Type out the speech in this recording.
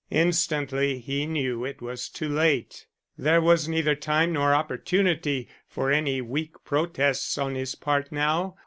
Instantly he knew it was too late. There was neither time nor opportunity for any weak protests on his part now.